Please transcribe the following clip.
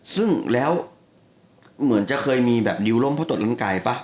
ซึ่งแล้วเหมือนจะเคยมีแบบดิวล้มเพราะตรวจร่างกายป่ะ